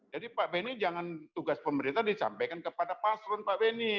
jadi pak benny jangan tugas pemerintah disampaikan kepada paslon pak benny